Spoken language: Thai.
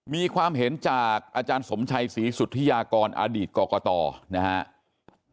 มีความเห็นจากอาจารย์สมชัยศรีสุธิยากรอดีตกรกตนะครับ